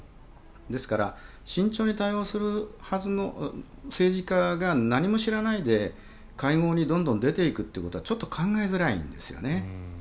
ですから慎重に対応するはずの政治家がなにも知らないで会合にどんどん出ていくことはちょっと考えづらいんですよね。